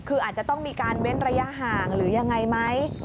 คืออาจจะต้องมีการเว้นระยะห่างหรือยังไงไหม